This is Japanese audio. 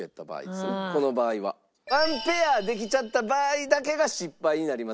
この場合は１ペアできちゃった場合だけが失敗になります。